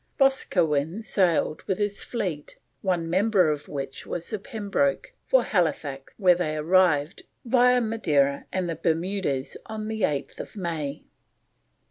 Boscawen sailed with his fleet, one member of which was the Pembroke, for Halifax, where they arrived, via Madeira and the Bermudas, on 8th May.